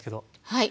はい。